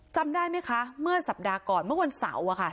จำได้ไหมคะเมื่อสัปดาห์ก่อนเมื่อวันเสาร์